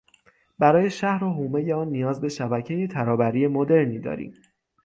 برای شهر و حومهی آن نیاز به شبکهی ترابری مدرنی داریم.